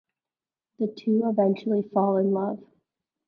The two eventually fall in love.